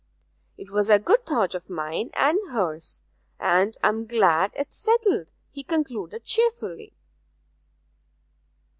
'Twas a good thought of mine and hers, and I am glad 'tis settled,' he concluded cheerfully.